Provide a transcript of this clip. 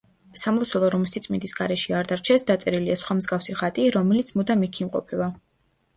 სამლოცველო რომ სიწმინდის გარეშე არ დარჩეს, დაწერილია სხვა მსგავსი ხატი, რომელიც მუდამ იქ იმყოფება.